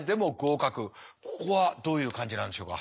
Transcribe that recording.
ここはどういう感じなんでしょうか。